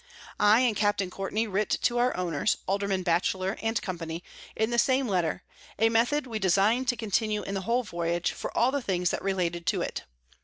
I and Capt. Courtney writ to our Owners, Alderman Batchelor and Company, in the same Letter, a Method we design'd to continue in the whole Voyage, for all things that related to it.